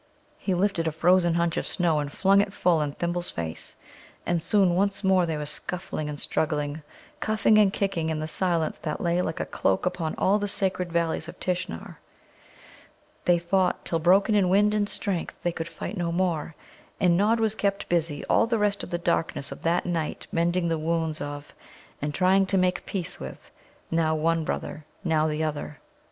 He lifted a frozen hunch of snow and flung it full in Thimble's face, and soon once more they were scuffling and struggling, cuffing and kicking in the silence that lay like a cloak upon all the sacred Valleys of Tishnar. They fought till, broken in wind and strength, they could fight no more. And Nod was kept busy all the rest of the darkness of that night mending the wounds of, and trying to make peace with, now one brother, now the other.